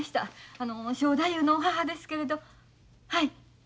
あの正太夫の母ですけれどはい。